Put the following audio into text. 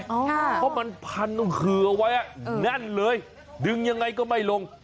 เพราะมันพันคือเอาไว้แน่นเลยดึงยังไงก็ไม่ลง